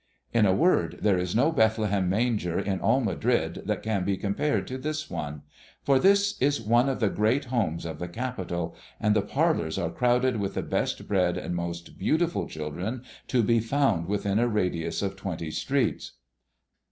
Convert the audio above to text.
In a word, there is no Bethlehem manger in all Madrid that can be compared to this one; for this is one of the great homes of the capital, and the parlors are crowded with the best bred and most beautiful children to be found within a radius of twenty streets.